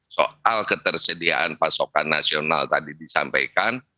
soal ketersediaan pasokan nasional tadi disampaikan